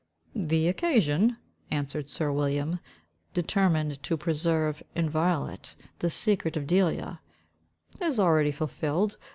"The occasion," answered sir William, determined to preserve inviolate the secret of Delia, "is already fulfilled.